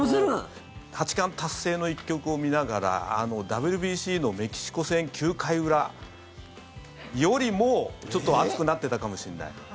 八冠達成の一局を見ながらＷＢＣのメキシコ戦９回裏よりもちょっと熱くなってたかもしれない。